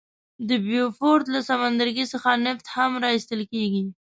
د بیوفورت له سمندرګي څخه نفت هم را ایستل کیږي.